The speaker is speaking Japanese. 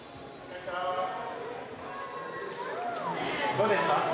どうでした？